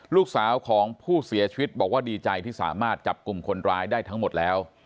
ลูกสาวของผู้เสียชีวิตบอกว่าดีใจที่สามารถจับกลุ่มคนร้ายได้ทั้งหมดแล้ว